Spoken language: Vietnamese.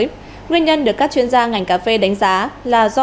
nguyên nhân được các chuyên gia ngành cà phê đánh giá là do